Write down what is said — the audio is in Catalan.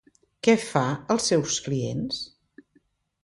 Què fa als seus clients?